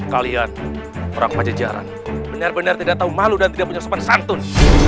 kalian orang pajajaran benar benar tidak tahu malu dan tidak punya sopan santun